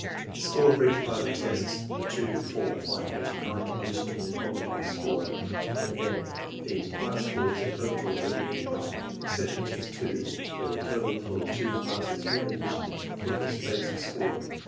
The score for each part of tests 2, 4, 5, 8, and 9 are written in the column marked "score"; and then these part scores are totalled below the heavy line, except in test 2, where the total for the two parts is merely written at the foot of the space for score.